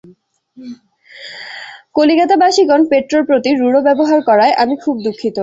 কলিকাতাবাসিগণ পেট্রোর প্রতি রূঢ় ব্যবহার করায় আমি খুব দুঃখিত।